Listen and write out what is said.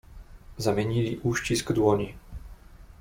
"Zamienili uścisk dłoni."